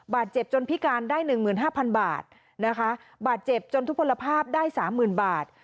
บาทเจ็บจนพิการได้๑๕๐๐๐บาทบาทเจ็บจนทุพลภาพได้๓๐๐๐๐บาท